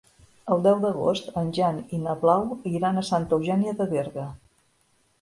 El deu d'agost en Jan i na Blau iran a Santa Eugènia de Berga.